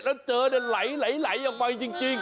แล้วเจอเนี่ยไหลออกไปจริง